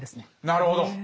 なるほど。